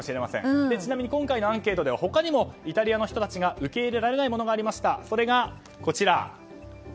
ちなみに今回のアンケートでは他にもイタリアの人たちが受け入れられないものがありました。